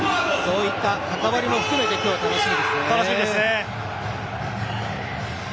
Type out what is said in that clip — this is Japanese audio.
そういった関わりも含めて今日は楽しみですね。